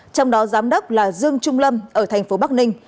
trong đó giám đốc là dương trung lâm ở thành phố bắc ninh